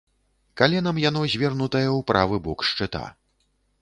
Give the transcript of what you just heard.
Каленам яно звернутае ў правы бок шчыта.